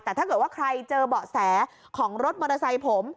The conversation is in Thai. แต่ถ้าเกิดว่าใครเจอเบาะแสของรถมอเตอร์ไซค์ผม